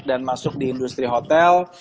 dan masuk di industri hotel